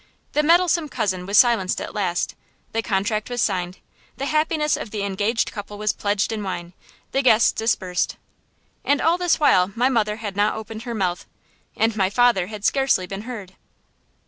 The meddlesome cousin was silenced at last, the contract was signed, the happiness of the engaged couple was pledged in wine, the guests dispersed. And all this while my mother had not opened her mouth, and my father had scarcely been heard.